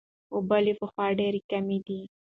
اوبه له پخوا ډېرې کمې دي.